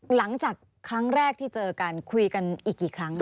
หลังจากครั้งแรกที่เจอกันคุยกันอีกกี่ครั้ง